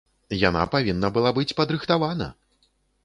Яна павінна была быць падрыхтавана!